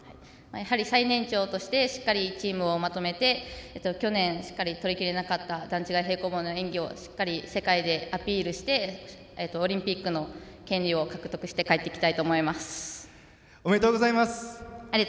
最年長としてしっかりチームをまとめて去年取りきれなかった段違い平行棒の演技をしっかりと世界でアピールしてオリンピックの権利を獲得しておめでとうございます。